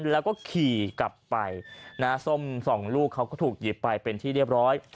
แล้วก็ขี่กลับไปนะส้มสองลูกเขาก็ถูกหยิบไปเป็นที่เรียบร้อย